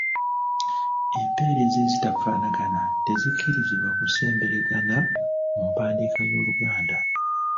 Empeerezi ezitafaanagana tezikkirizibwa kusemberegana mu mpandiika y’Oluganda.